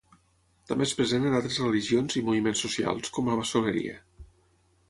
També és present en altres religions i moviments socials, com la maçoneria.